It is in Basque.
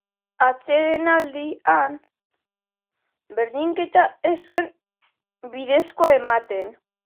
Atsedenaldian, berdinketa ez zuen bidezkoa ematen.